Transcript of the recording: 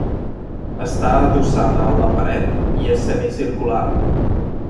Està adossada a la paret i és semicircular.